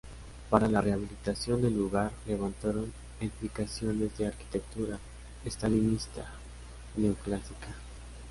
Para la rehabilitación del lugar, levantaron edificaciones de arquitectura estalinista neoclásica.